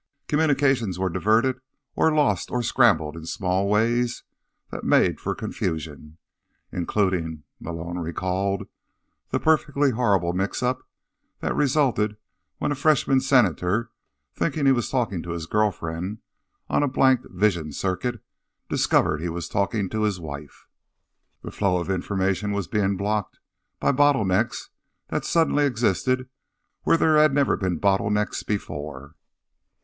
Communications were diverted or lost or scrambled in small ways that made for confusion—including, Malone recalled, the perfectly horrible mixup that resulted when a freshman senator, thinking he was talking to his girlfriend on a blanked vision circuit, discovered he was talking to his wife. The flow of information was being blocked by bottlenecks that suddenly existed where there had never been bottlenecks before.